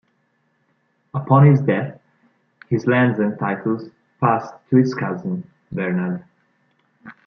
Upon his death, his lands and titles passed to his cousin, Bernard.